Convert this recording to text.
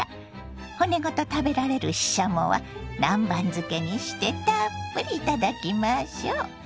骨ごと食べられるししゃもは南蛮漬けにしてたっぷりいただきましょ。